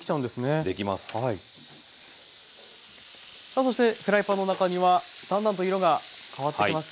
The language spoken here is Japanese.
さあそしてフライパンの中にはだんだんと色が変わってきましたね豚バラ肉。